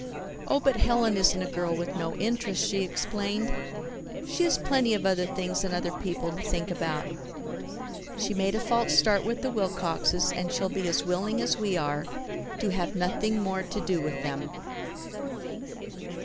"Oh, but Helen isn't a girl with no interests," she explained. "She has plenty of other things and other people to think about. She made a false start with the Wilcoxes, and she'll be as willing as we are to have nothing more to do with them."